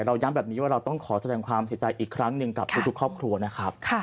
ย้ำแบบนี้ว่าเราต้องขอแสดงความเสียใจอีกครั้งหนึ่งกับทุกครอบครัวนะครับ